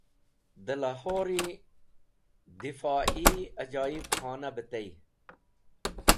De Lahori Difoie Ajoib Khona be tey